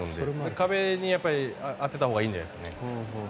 壁に当てたほうがいいんじゃないですかね。